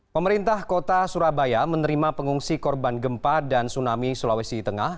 pemerintah kota surabaya menerima pengungsi korban gempa dan tsunami sulawesi tengah